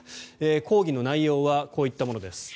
抗議の内容はこういったものです。